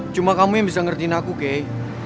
cuma kamu yang bisa ngertiin aku kay